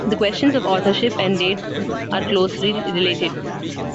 The questions of authorship and date are closely related.